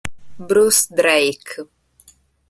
Bruce Drake